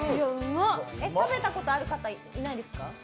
食べたことある方いないですか？